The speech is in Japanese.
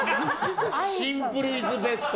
シンプル・イズ・ベスト。